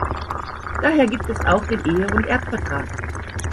Daher gibt es auch den Ehe- und Erbvertrag.